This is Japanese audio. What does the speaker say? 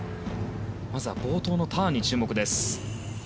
まずは冒頭のターンに注目です。